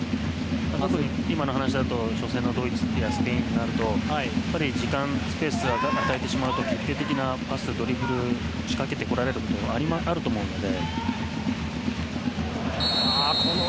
今の話だと、初戦のドイツやスペインだと時間、スペースを与えてしまうと決定的なパス、ドリブルを仕掛けてこられることがあると思うので。